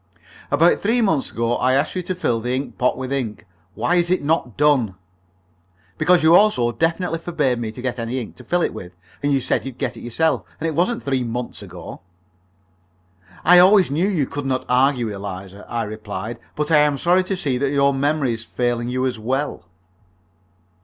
"About three months ago I asked you to fill that ink pot with ink. Why is it not done?" "Because you also definitely forbade me to get any ink to fill it with. And you said you'd get it yourself. And it wasn't three months ago." "I always knew you could not argue, Eliza," I replied. "But I am sorry to see that your memory is failing you as well."